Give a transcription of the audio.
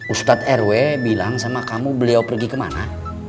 ustadz rw bilang sama kamu beliau pergi kemana